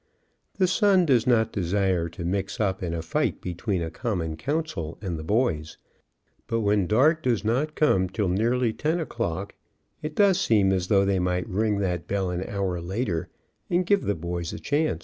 The Sun does not desire to mix up in a fight between a common council and the boys, but when dark does not come till nearly o o'clock it does seem as though they might ring that bell an hour later, and give the boys a chance.